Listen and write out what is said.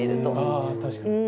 あ確かに。